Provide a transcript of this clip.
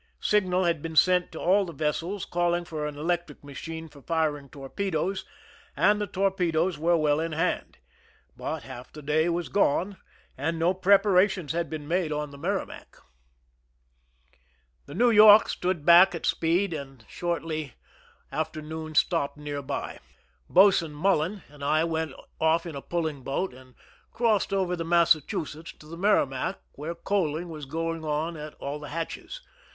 Signal had been sent to all the vessels calling for an electric machine foi' firing torpedoes, and the torpedoes were weU in hand ; but half the day was gone, and no preparations had been made on the Merrimac. 35 THE SINKING OF THE "MERRIMAC" The New York stood back at speed, and shortly after noon stopped near by. Boatswain Mullen and I went off in a puUing boat, and crossed over the Massachusetts to the Merrimac, where coaling was going on at all the hatches.